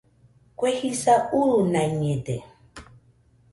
Kue jisa urunaiñede